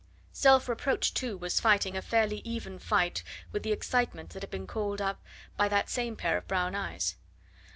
Self reproach, too, was fighting a fairly even fight with the excitement that had been called up by that same pair of brown eyes.